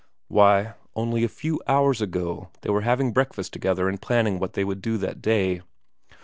Why, only a few hours ago they were having breakfast together and planning what they would do that day.